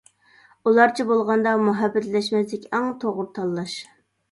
ئۇلارچە بولغاندا، مۇھەببەتلەشمەسلىك ئەڭ توغرا تاللاش.